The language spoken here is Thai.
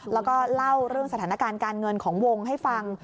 แล้วก็เล่าเรื่องสถานการณ์การเงินของวงให้ฟัง